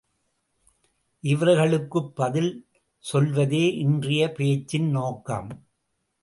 இவர்களுக்குப் பதில் சொல்வதே இன்றையப் பேச்சின் நோக்கம்.